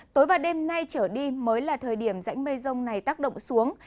tối và đêm nay trở đi mới là thời điểm rãnh mây rông này tác động xuống